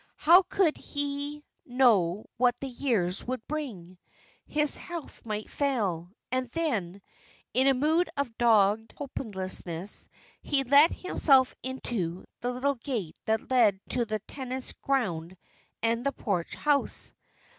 How could he know what the years would bring? His health might fail. And then, in a mood of dogged hopelessness, he let himself into the little gate that led to the tennis ground and the Porch House.